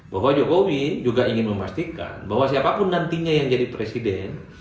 bahwa jokowi juga ingin memastikan bahwa siapapun nantinya yang jadi presiden